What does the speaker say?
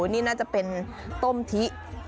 นี่น่าจะเป็นต้มทิ